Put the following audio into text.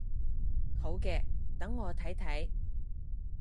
好嘅，等我睇睇